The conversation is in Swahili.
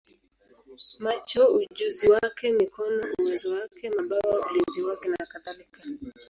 macho ujuzi wake, mikono uwezo wake, mabawa ulinzi wake, nakadhalika.